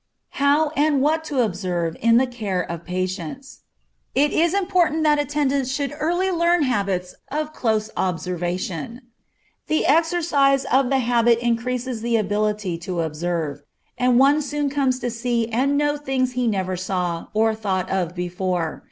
How and What to Observe in the Care of Patients. It is important that attendants should early learn habits of close observation. The exercise of the habit increases the ability to observe, and one soon comes to see and know things he never saw, or thought of before.